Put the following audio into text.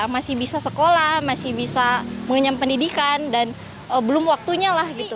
masih bisa sekolah masih bisa mengenyam pendidikan dan belum waktunya lah gitu